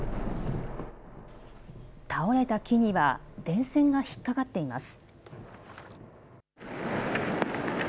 倒れた木には電線が引っ掛かっています。